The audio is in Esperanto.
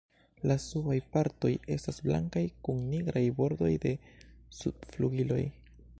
La subaj partoj estas blankaj, kun nigraj bordoj de subflugiloj.